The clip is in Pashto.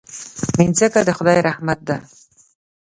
مځکه د خدای رحمت دی.